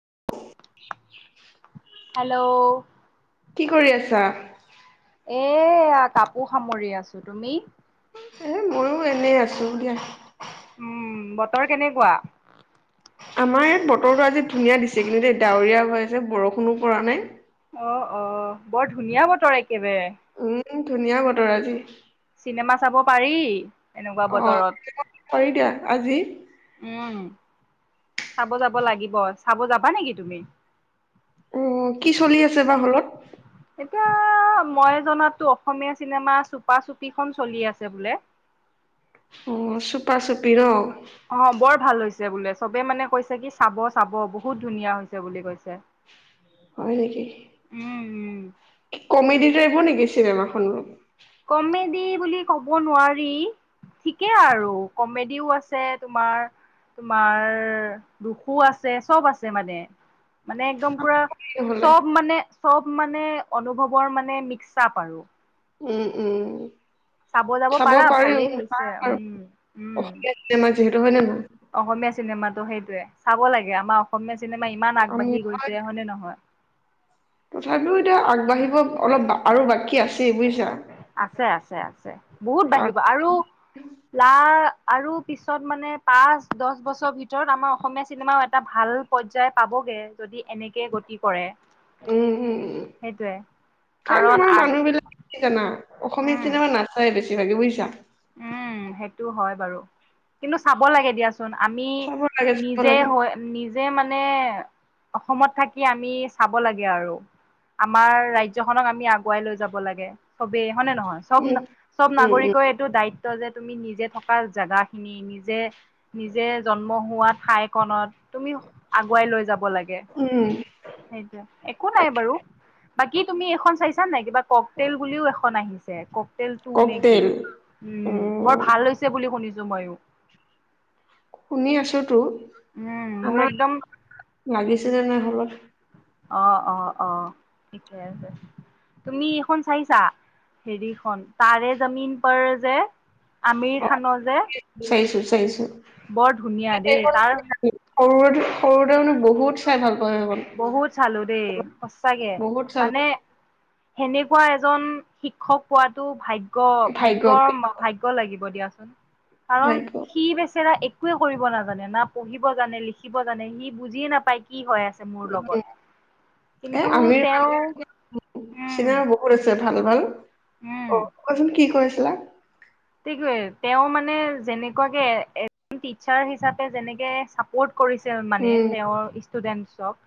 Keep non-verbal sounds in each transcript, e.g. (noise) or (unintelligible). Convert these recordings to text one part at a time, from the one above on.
(unintelligible) Hello কি কৰি আছা। এয়া কাপোৰ সামৰি আছো তুমি এ ময়ো এনেই আছোঁ দিয়া। উম বতৰ কেনেকোৱা আমাৰ ইয়াত বতৰটো আজি ধুনীয়া দিছে কিন্তু এ ডাৱৰীয়া হৈ আছে বৰষুণো পৰা নাই অ অ বৰ ধুনীয়া বতৰ একেবাৰে। উম ধুনীয়া বতৰ আজি। চিনেমা চাব পাৰি এনেকোৱা অ পাৰি দিয়া আজি বতৰত উম। চাব যাব লাগিব চাব যাবা নেকি তুমি অ কি চলি আছে বা হলত। এতিয়া মই জনাতো অসমীয়া চিনেমা চুপা চুপিখন চলি আছে বোলে (unintelligible) অঁ চুপা চুপি ন অ বৰ ভাল হৈছে বোলে চবে মানে কৈছে কি চাব চাব বহুত ধুনীয়া হৈছে বুলি কৈছে হয় নেকি? উম উম কি কমেডি টাইপৰ নেকি চিনেমা খনৰ অলপ কমেডি বুলি ক'ব নোৱাৰি। ঠিকেই আৰু কমেডিও আছে তোমাৰ। তোমাৰ দুখো আছে চব আছে মানে মানে একদম পুৰা। নহ'লে চব মানে চব মানে অনুভৱৰ মানে মিক্ চাপ আৰু। উম, যাব উম। চাব পাৰা পাৰি ভালেই হৈছে আৰু উম উম অসমীয়া চিনেমা যিহেতু হয় নে নহয় অসমীয়া চিনেমাটো সেইটোয়ে চাব লাগে আমাৰ অসমীয়া চিনেমা ইমান আমি আগবাঢ়ি হয়, গৈছে হয়নে নহয়। তথাপিও এতিয়া আগবাঢ়িব অলপ আৰু বাকী আছেই বুইছে আছে আছে আছে বহুত কাৰণ বাঢ়িব আৰু লা আৰু পিছত মানে পাঁচ দহ বছৰ ভিতৰত আমাৰ অসমীয়া চিনেমাও এটা ভাল পৰ্যায় পাব গে যদি এনেকে গতি কৰে উম উম উম সেইটোৱে কাৰণ আমাৰ মানুহ বিলাক কি জানা। অসমীয়া উম চিনেমা নাচাই বেছিভাগে বুজিছা উম সেইটো হয় বাৰু কিন্তু চাব লাগে দিয়াচোন। আমি চাব লাগে চাব নিজে লাগে হৈ নিজে মানে। মানে অসমত থাকি আমি চাব লাগে আৰু আমাৰ ৰাজ্যখননক আমি আগুৱাই লৈ যাব লাগে চবেই। হয় নে নহয় চব উম চব উম উম নাগৰিকৰে দায়িত্ব যে তুমি নিজে থকা জোগা খিনি নিজে। নিজে জন্ম হোৱা ঠাইকনত তুমি আগুৱাই লৈ যাব লাগে। উম সেইটোৱেই একো নাই বাৰু বাকী তুমি এইখন চাইছা নাই কিবা কক তেল বুলিও এখন আহি কক তেল টো নেকি ককতেল উম বৰ ভাল হৈছে। বুলি শুনিছো ময়ো শুনি আছো তো মোৰ আমাৰ একদম লাগিছে যে নাই হলত অ অ অ ঠিকে আছে তুমি এইখন চাইছা হেৰিখন তাৰে জামিন পাৰ যে আমিৰ খানৰ যে। সৰু বৰ ধুনীয়া সৰুতে দেই তাৰ মনো বহুত চাই ভাল। পাওঁ সেইখন বহুত চালো দেই সচাকে বহুত চালো মানে সেনেকুৱা এজন শিক্ষক পোৱাতো ভাগ্য ভাগ্য ভাগ্য লাগিব দিয়া। কাৰণ ভাগ্য সি বেচেৰা এক। একোৱে কৰিব নাজানে না পঢ়িব জানে লিখিব জানে সি বুজিয়ে নাপায় কি হয় আছে। মোৰ লগত এ কিন্তু আমিৰ খান তেওঁ উম চিনেমা বহুত আছে ভাল ভাল অ কচোন কি কৈছিলা ত তেওঁ মানে যেনেকুৱাকে এজন টিচাৰ হিচাপে যেনেকে চা পৰ্ট কৰিছিল মানে উম তেওঁৰ ষ্টুডেন্টছক।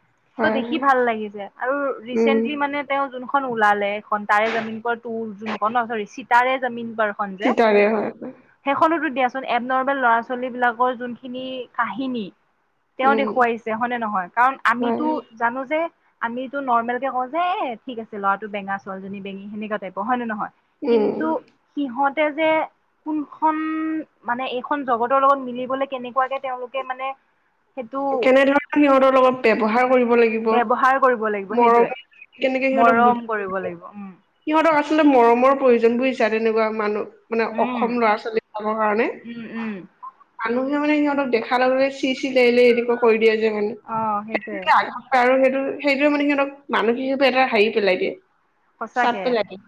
ত হয় দেখি হয় ভাল লাগিছে আৰু উম ৰিচেন্টলি মানে তেওঁ যোনখন ওলালে তাৰে জামিন পৰ তোৰ যোনখন ন চ চিতাৰে জামিন পৰখন যে সেইটোৱে হয়। এব নৰ্মেল ল'ৰা ছোৱালী বিলাকৰ যোনখিনি কাহিনী। তেওঁ উম দেখুৱাইছে হয়নে নহয় কাৰণ হয় আমিতো হয়। জানো যে। আমিতো নৰ্মেল কে কওঁ যে এ ঠিক আছে ল'ৰাটো বেঙ ছালীজনী বেঙী সেনেুৱা টাইপৰ হয় নে নহয়। উম কিন্তু সিহতে যে কোনখন মানে এইখন জগতৰ লগত মিলিবলে কেনেকুৱাকে তেওঁলোকে মানে সেইটো কেনে ধৰণে সিহঁতৰ লগত ব্যৱ্হাৰ কৰিব লাগিব ব্যৱহাৰ কৰিব লাগিব সেইটোৱে মৰমৰ কেনেকে। সিহঁতক বুজ মৰম কৰিব লাগিব উম সিহঁতক আচলতে মৰমৰ। প্ৰয়োজন বোৰ হিচা তেনেকুৱা মানুহ মানে উম অসম ল'ৰা ছোৱালী যাবৰ কাৰণে। উম উম মানুহে মানে সিহঁতক দেখা লগে লগে চি চি লে লে এনোৱা কৰিব। অ মানে সেইটোৱে সেই আগ আৰু সেই। সেইটোৱে মানে স অক মানসিকে এটা হাৰি পেলাই দিয়ে। চাপ সচাকে পেলাই দিয়ে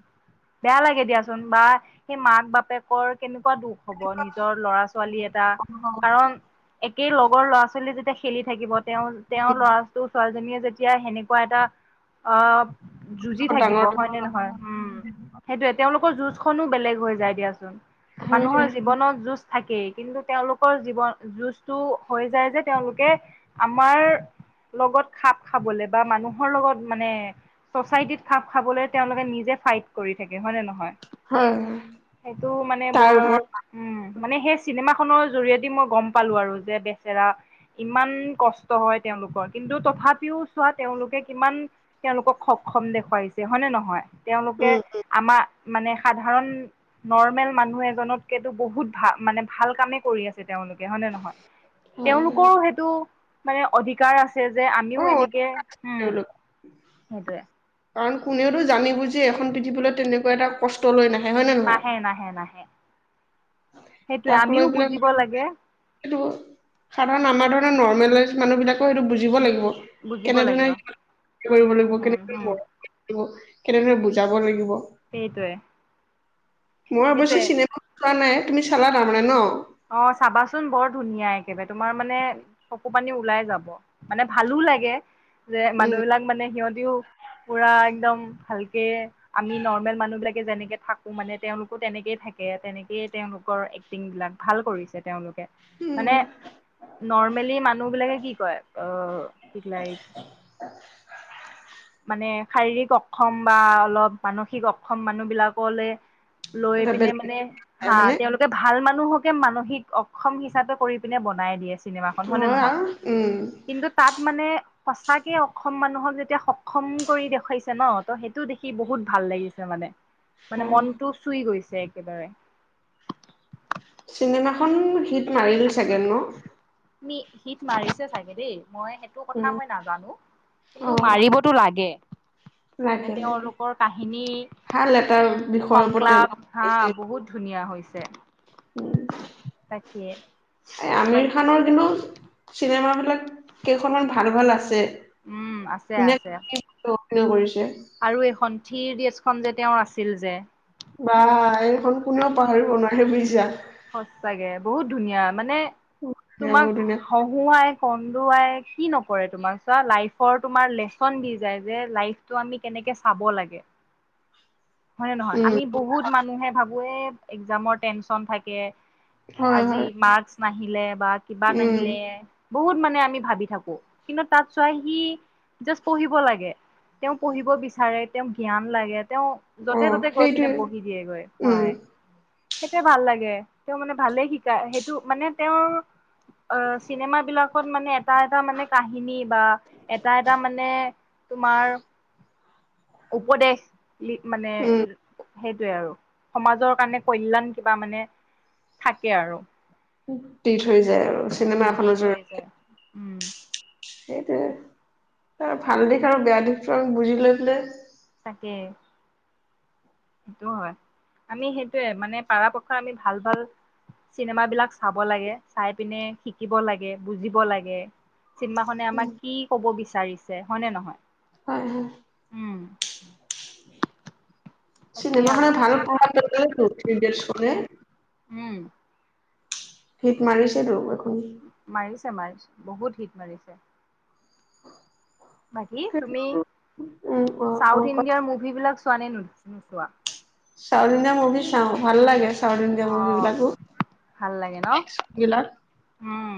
বেয়া লাগে দিয়াচোন বা সেই মাক বাপেকৰ কেনেকুৱা দুখ হব নিজৰ ল'ৰা ছোৱালী এটা কাৰণ। সেই লগৰ ল'ৰা ছোৱালী যেতিয়া খেলি থাকিব তেওঁ তেওঁৰ ল'ৰাটো ছোৱালীজনীয়ে যেতিয়া সেনেকুৱা এটা অ। ডাঙৰ। হয় ডাঙৰ ন নহয় উম সেইটোয়ে তেওঁলোকৰ যুজ খো বেলেগ হৈ যায় দিয়াচোন হয় মানুহৰ দিয়া জীৱনত যোজ থাকেই কিন্তু তেওঁলোকৰ জীৱন যুঁজটো হৈ যায় যে তেওঁলোকে আমাৰ। লগত খাপ খাবলে বা মানুহৰ লগত মানে চচাইটিত খাপ। খাবলৈ তেওঁলোকে নিজে ফাইট কৰি থাকে হয় নে নহয়। হয় হয় সেইটো মানে তাৰ বৰ ওপৰত উম। মানে সেই চিনেমা খনৰ জৰিয়তে মই গম পালো আৰু যে বেচেৰা। ইমান কষ্ট হয় তেওঁলোকৰ কিন্তু তথাপিও চোৱা তেওঁলোকে কিমান তেওঁলোকক অসমম দেখুৱাইছে হয় নে নহয় তেওঁলোকে উম উম আমাৰ মানে সাধাৰণ নৰ্মেল মানুহ এজনতকেতো বহুত ভাল মানে ভাল কামে কৰি আছে। তেওঁলোকে হয় নে নহয় হয় তেওঁলোকৰো হয় সেইটো মানে অধিকাৰ আছে। চে যে আমিও অ এনেকে। তেওঁলোক সেইটোৱে। কাৰণ কোনেওতো জানি বুজি এখন পৃথিৱীলৈ তেনেকুৱা এটা কষ্ট লৈ নাহে। হয় নে নহয়? নাহে নাহ ন। তাক লৈ পেলাই লাগে টো সাধাৰণ আমাৰ ধৰণৰ নৰ্মেলাইজ মানুবিলাক সেইটো বুজিব লাগিব। বুজিব লাগিব কেনেধৰণে হম কৰিব লাগিব হম কেনে হম মৰ লাগ কেনেদৰে বুজাব লাগিব। সেইটোৱে মই অৱশ্যে সেইটোৱে চিনেমা চোৱা নাই, তুমি চালা তাৰমানে ন'। অ চাবাচোন বৰ ধুনীয়া একেবাৰে তোমাৰ মানে চকু পানী ওলাই যাব মানে ভালো লাগে। যে উম মানুহ বিলাক মানে সিহঁতিও পুৰা একদম ভালকে আমি নৰ্মেল মানুহ বিলাকে যেনেকে থাকো মানে তেওঁলোকো তেনেকেই থাকে, তেনেকেই তেওঁলোকৰ এক্টিং বিলাক ভাল কৰিছে তেওঁলোকে। মানে উম নৰ্মেলি মানুহ বিলাকে কি কয় অ কি লাই (unintelligible) মানে শাৰীৰিক অক্ষম বা অলপ মানসিক অক্ষম মানুহবলাকলে লৈ এটা পিনে বেলেগ মানে হা হয়নে তেওঁলোকে ভাল মান। মানুহকে মানসিক অক্ষম হিচাপে কৰি পিনে বনাই দিয়ে। চিনেমা খন হয়নে হয় নহয়, আৰু উম কিন্তু তাত মানে সচাকে অক্ষম মানুহক যেতিয়া খম কৰি দেখুৱাইছে ন ত সেইটো দেখি বহুত ভাল লাগিছে মানে। মানে হয়। মনটো চুই গৈছে একেবাৰে। চিনেমাখন, হিট মাৰিল চাগে ন? (unintelligible) হিত মাৰিছে চাগে দেই মই সেইটো উম কথা মই নাজানো অ কিন্তু মাৰিবতো লাগে মানে লাগে লাগে। তেওঁলোকৰ কাহিনী ভাল এটা বিষয়ৰ ওপৰত তেওঁলোক সংকলাপ হা লিখিছে। বহুত ধুনীয়া হৈছে তাকে এই বাট আমিৰ খানৰ কিন্তু চিনেমা বিলাক কেইখনমান ভাল ভাল আছে। উম আছে ধুনীয়া আছে। অভিনয় কৰিছে আৰু এই সন্ঠিৰ ডছখন যে তেওঁৰ আছিল যে বা এইখন কোনেও পাহৰিব নোৱাৰে বুজিছা সচাগে বহুত ধুনীয়া মানে ধুনীয়া তোমাক বহুত ধুনীয়া হহুৱাই কম অ' আই কি নকৰে তোমাক চোৱা লাইফত তোমাৰ লেচন দি যায় যে লাইভ তো আমি কেনেকে চ খাব লাগে হয় নহয় উম আমি বহুত মানুহে ভাবো এহ একজামৰ টেনচন থাকে। হয় আজি হয় মাক্স নাহিলে বা কিবা উম নাহিলে বহুত মানে আমি ভাবি থাকো কিন্তু তাত চোৱা সি জাষ্ট পঢ়িব লাগে তেওঁ পঢ়িব বিচাৰে, তেওঁ জ্ঞান লাগে, তেওঁ অ য'তে ত'তে গৈ পিনে সেইটোৱে বহি দিয়েগৈ উম হয়। সেইটোৱে ভাল লাগে, তেওঁ মানে ভালেই শিকায় সেইটো মানে তেওঁৰ অ চিনেমা বিলাক মানে এটা এটা মানে কাহিনী বা এটা এটা মানে তোমাৰ উপদেশ মানে উম সেইটোৱে আৰু সমাজৰ কাৰণে কল্যাণ কিবা মানে থাকে আৰু- দি থৈ যায় আৰু উম চিনেমা গীত এখনৰ হৈ জৰিয়তে যায় উম সেইটোয়ে তাৰ ভাল দিশ আৰু বেয়া দিশটো বুজি লৈ পেলে তাকে। সেইটো হয় আমি সেইটোয়ে মানে পাৰপক্ষই আমি ভাল ভাল, চিনেমা বিলাক চাব লাগে, চাই পিনে শিকিব লাগে, বুজিব লাগে। চিনেমা খনে আমাক কি কব বিচাৰিছে হয় নে নহয়। হয় হয় উম তাকেই আৰু চিনেমাখনে ভাল প্ৰভাৱ পেলাই উম ভিত মাৰিছে তো মাৰিছে মাৰিছে বহুত হিট মাৰিছে। বাকী তুমি উম অ অ চাউথ ক ইণ্ডিয়াৰ মুভি বিলাক চোৱা নে নোচোৱা। চাউথ ইণ্ডিয়া মুভি চাও ভাল লাগে, চাউথ ইণ্ডিয়া অ মুভিবিলাকো। ভাল লাগে ন এক্স বিলাক উম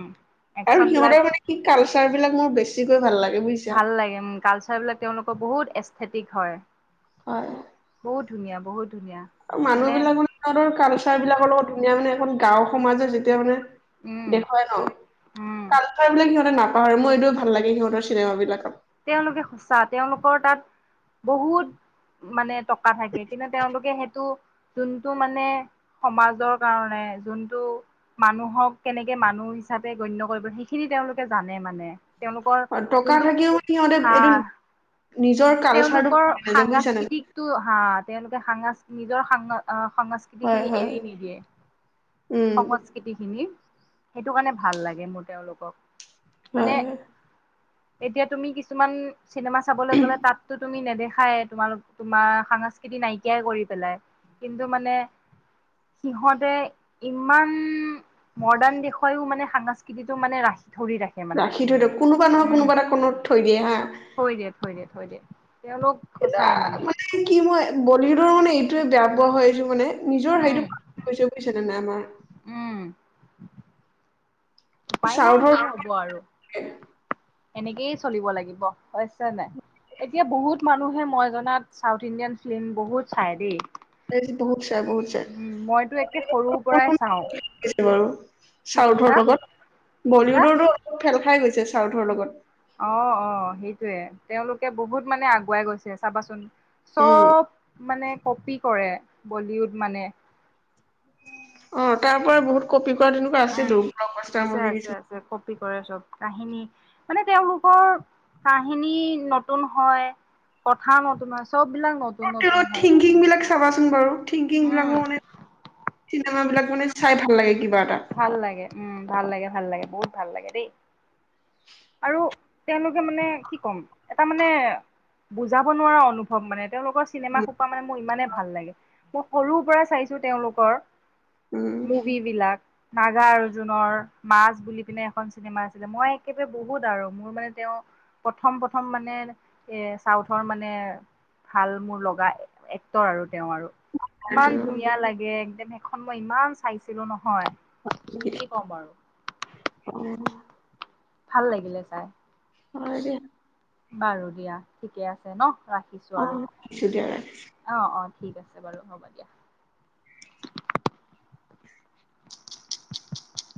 আৰু একচন বিলাক সিহঁতৰ মানে কি কালচ চাৰবিলাক মোৰ বেছিকৈ ভাল লাগে। বুজিছা ভাল লাগে উ কালচাৰ বিলাক তেওঁলোকৰ বহুত এচেথেটিক হয়। হয়। বহুত ধুনীয়া বহুত ধুনীয়া মানুহ বিলাক মানে সিহঁতৰ কালচাৰ বিলাকৰ লগত ধুনীয়া মানে এখন গাঁওৰ সমাজৰ যেতিয়া মানে উম দেখুৱাই ন উম কালচাৰ বিলাক সিহঁতে না আৰু মোৰ এইটোও ভাল লাগে সিহঁতৰ চিনেমাবিলাকত। তেওঁলোকে সঁচা, তেওঁলোকৰ তাত বহুত মানে টকা থাকে কিন্তু তেওঁলোকে সেইটো যোনটো মানে সমাজৰ কাৰণে যোনটো মানুহক কেনেকে মানুহ হিচাপে গণ্য কৰিব সেইখিনি তেওঁলোকে জানে মানে তেওঁলোকৰ যোনটো তলেপ হা এডোম। তেওঁলোকৰ সাংস্কৃতিকটো হা তেওঁলোকে সাংস্কৃতি নিজৰ সাং আহ সংস্কৃতি হয় খিনি হয় এৰি নিদিয়ে, উম সংস্কৃতি খিনি সেইটো কাৰণে ভাল লাগে মোৰ তেওঁলোকক। হয় মানে হয় এতিয়া তুমি কিছুমান চিনেমা চাবলৈ গ'লে তাত টো তুমি নেদেখা। খাই তোমালোক তোমাৰ সাংস্কৃতি নাইকিয়াই কৰি পেলাই, কিন্তু মানে সিহতে ইমান মডাৰ্ণ দেশোয়াও মানে সাংস্কৃতিটো মানে ৰাখি। ধৰি ৰাখে মানে ৰাখি থৈ দিয়ক কোনোবা নহয় উম কোনোবা এটা কণত থৈ দিয়ে হা থৈ দিয়ে থৈ দিয়ে থৈ দিয়ে। তেওঁলোক এ সঁচাই মানে কি মই বলিউডৰ মানে এইটোয়ে বেয়া পোৱা হয়যোৰ মানে নিজৰ উম হেৰিটো (unintelligible) উম উপায় নাই চাউথৰ কি হ'ব আৰু এনেকেই চলিব লাগিব হৈছে নাই। এতিয়া বহুত মানুহে মই জনাত চাউথ ইণ্ডিয়ান ফিলীম বহুত চাই দেই। বহুত চাই, বহুত চাই উম মইতো একে সৰুৰ পৰাই চাওঁ বাৰু কি চাউথৰ কৈছা লগত কি কৈছা? বলীউড অৰ টো ফেল খাই গৈছে চাউথৰ লগত। অ', -অ' সেইটয়ে তেওঁলোকে বহুত মানে আগুৱাই গৈছে চাবাচোন। উম চব মানে কপি কৰে বলিউড মান অ তাৰ পৰা বহুত কপি কৰা তেনেকুৱা উম, আছিলো ব্লগ তাৰ আছে আছে কিছুমান আছে কপি কৰে চব কাহিনী, মানে তেওঁলোকৰ কাহিনী নতুন হয়। কথাৰ নতুন হয়, চববিলাক নতুন-নতুন হয়, চব থিংকিং বিলাক চাবাচোন বাৰু থিংকিং বিলাকো মানে চিনেমাবিলাক মানে চাই ভাল লাগে কিবা। এটা ভাল লাগে উম, ভাল লাগে, ভাল লাগে বহুত ভাল লাগে দেই। আৰু তেওঁলোকে মানে কি ক'ম এটা মানে বুজাব নোৱাৰা অনুভৱ মানে তেওঁলোকৰ চিনেমা উম খোপা মানে মোৰ ইমানে ভাল লাগে মই সৰুৰ পৰাই চাইছো তেওঁলোকৰ। উম মুভি বিলাক নাগা অৰ্জুনৰ মাজ বুলি পিনে এখন চিনেমা আছিলে, মই একেবাৰে বহুত আৰু মোৰ মানে তেওঁ, প্ৰথম প্ৰথম মানে এ চাউথৰ মানে ভাল মোৰ লগা এক্টৰ আৰু তেওঁ আৰু তাৰপিছত ইমান ধুনীয়া লাগে, একদম সেইখন মই ইমান চাইছিলো নহয়। অ কি ক'ম আৰু উম ভাল লাগিলে চাই অ দিয়া বাৰু দিয়া ঠিকে আছে ন ৰাখিছো অ আৰু ৰাখিছো দিয়া ৰাখিছো অ অ ঠিক আছে বাৰু হ'ব দিয়া (unintelligible)